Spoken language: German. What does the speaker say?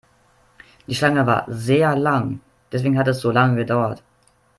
Die Schlange war sehr lang, deswegen hat es so lange gedauert.